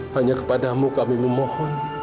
hanya kepadamu kami memohon